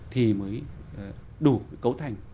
thì mới đủ cấu thành